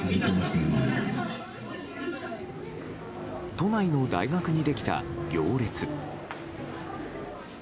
都内の大学にできた行列。